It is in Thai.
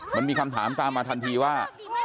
มันมีคำถามตามมาทันทีว่า